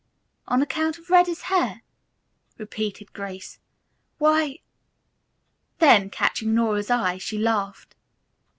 "'On account of Reddy's hair,'" repeated Grace. "Why " Then, catching Nora's eye, she laughed.